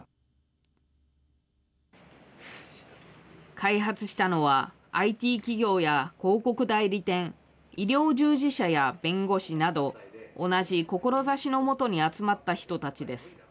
開発したのは、ＩＴ企業や広告代理店、医療従事者や弁護士など、同じ志の下に集まった人たちです。